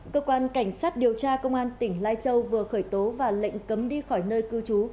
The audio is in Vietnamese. cơ quan cảnh sát điều tra công an tỉnh lai châu vừa khởi tố và lệnh cấm đi khỏi nơi cư trú